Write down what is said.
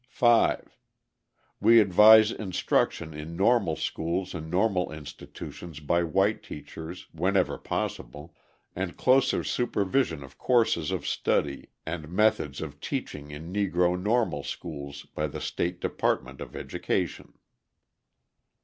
5. We advise instruction in normal schools and normal institutions by white teachers, whenever possible, and closer supervision of courses of study and methods of teaching in Negro normal schools by the State Department of Education.